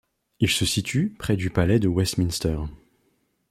Il se situe près du palais de Westminster.